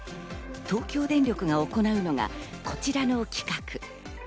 東京電力が行うのがこちらの企画。